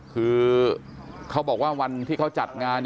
คือเขาบอกว่าวันที่เขาจัดงาน